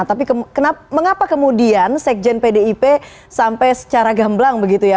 tapi mengapa kemudian sekjen pdip sampai secara gamblang begitu ya